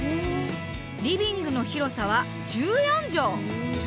リビングの広さは１４畳。